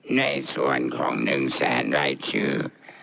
ในส่วนของหนึ่งแสนรายชื่อ